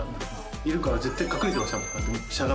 いるから絶対隠れてましたもん。